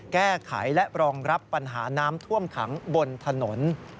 แก้ไขและรองรับปัญหาน้ำท่วมขังบนถนน